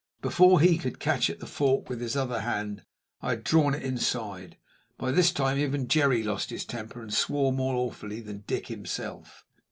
Before he could catch at the fork with his other hand I had drawn it inside. By this time even Jerry lost his temper and swore more awfully than Dick himself.